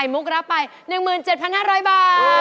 ทำไมเก่งว่ะ